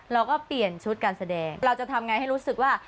เราก็เปลี่ยนชุดการแสดงเราจะทำไงให้รู้สึกว่า